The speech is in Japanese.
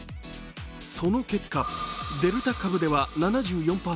その結果、デルタ株では７４％。